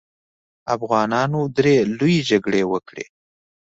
افغانانو درې لويې جګړې وکړې.